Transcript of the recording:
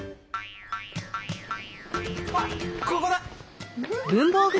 あっここだ！